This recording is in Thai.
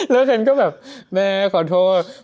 แล้วฉันก็แบบแม่ขอโทษ